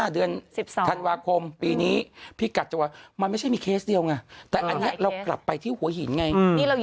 เดือน๑๓ธันวาคมปีนี้พี่กัดจังหวัดมันไม่ใช่มีเคสเดียวไงแต่อันนี้เรากลับไปที่หัวหินไง